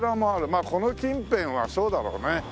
まあこの近辺はそうだろうね。